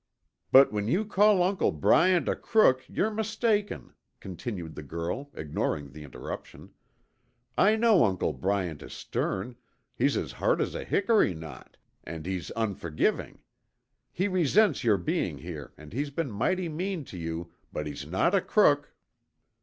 "But when you call Uncle Bryant a crook, you're mistaken," continued the girl, ignoring the interruption. "I know Uncle Bryant is stern, he's as hard as a hickory knot, and he's unforgiving. He resents your being here and he's been mighty mean to you, but he's not a crook!"